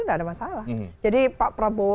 tidak ada masalah jadi pak prabowo